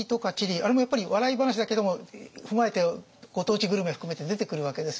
あれもやっぱり笑い話だけども踏まえてご当地グルメ含めて出てくるわけですよね。